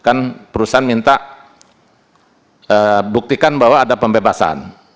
kan perusahaan minta buktikan bahwa ada pembebasan